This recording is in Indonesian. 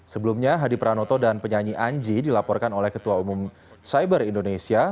sebelumnya hadi pranoto dan penyanyi anji dilaporkan oleh ketua umum cyber indonesia